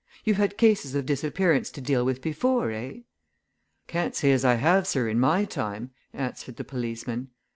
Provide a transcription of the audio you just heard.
"You've had cases of disappearance to deal with before, eh?" "Can't say as I have, sir, in my time," answered the policeman.